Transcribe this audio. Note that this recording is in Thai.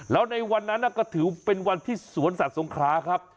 แล้วในวันนั้นก็ถือเป็นวันที่สวนสัตว์สงคราครับ